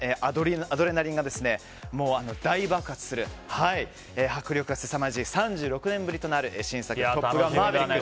アドレナリンが大爆発する迫力がすさまじい３６年ぶりとなる新作「トップガンマーヴェリック」